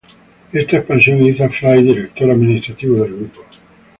Esta expansión hizo a Fry director administrativo del grupo.